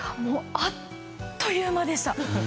あっという間でした。